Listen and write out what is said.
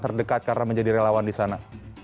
terdekat karena menjadi relawan di sana